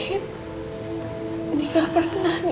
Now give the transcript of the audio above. ini gak pernah